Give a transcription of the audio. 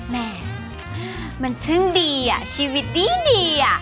แม่มันชึ่งดีอ่ะชีวิตดีอ่ะ